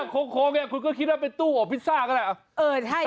คงนะคุณก็คิดว่าไปตู้อบพิซซ่าก็ได้